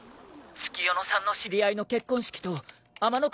月夜野さんの知り合いの結婚式と天ノ